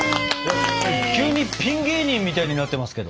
いや急にピン芸人みたいになってますけど。